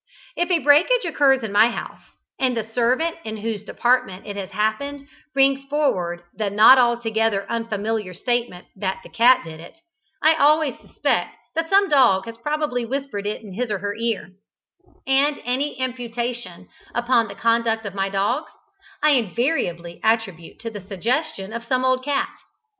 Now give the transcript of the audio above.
If a breakage occurs in my house, and the servant in whose department it has happened brings forward the not altogether unfamiliar statement that "the cat did it," I always suspect that some dog has probably whispered it in his or her ear; and any imputation upon the conduct of my dogs I invariably attribute to the suggestion of some old cat.